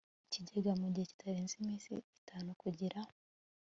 ikigega mu gihe kitarenze iminsi itanu kugira